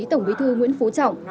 tổng bí thư nguyễn phú trọng